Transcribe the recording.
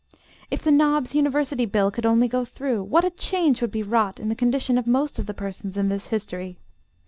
If the Knobs University bill could only go through, what a change would be wrought in the condition of most of the persons in this history.